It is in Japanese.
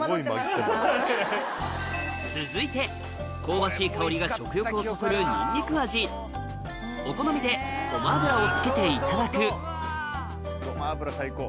続いて香ばしい香りが食欲をそそるお好みでごま油をつけていただくごま油最高。